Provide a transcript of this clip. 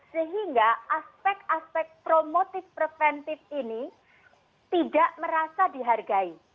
sehingga aspek aspek promotif preventif ini tidak merasa dihargai